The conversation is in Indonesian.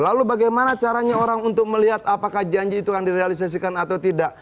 lalu bagaimana caranya orang untuk melihat apakah janji itu akan direalisasikan atau tidak